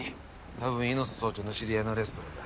たぶん猪背総長の知り合いのレストランだ。